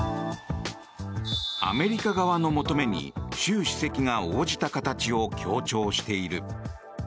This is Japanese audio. アメリカ側の求めに、習主席が応じた形を強調している。